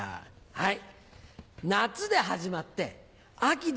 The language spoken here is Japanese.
はい！